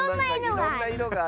いろんないろがある。